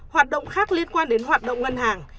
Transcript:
hoạt động khác liên quan đến hoạt động ngân hàng